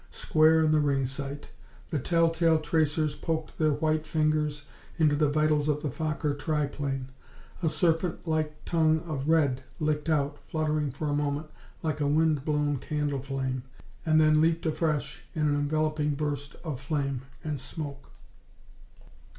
Square in the ring sight! The telltale tracers poked their white fingers into the vitals of the Fokker tri plane. A serpent like tongue of red licked out, fluttering for a moment like a wind blown candle flame, and then leaped afresh in an enveloping burst of flame and smoke.